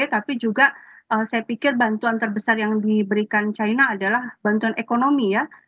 tapi juga saya pikir bantuan terbesar yang diberikan china adalah bantuan ekonomi ya